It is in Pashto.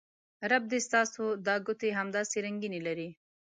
رب دې ستاسو دا ګوتې همداسې رنګینې لرې